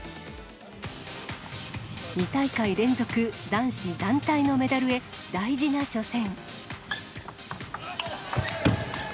２大会連続男子団体のメダルへ大事な初戦。